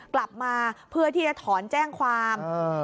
กลับมาเพื่อที่จะถอนแจ้งความ